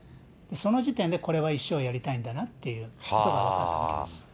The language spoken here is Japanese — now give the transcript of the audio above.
その時点で、これは一生やりたいんだなということが分かったわけです。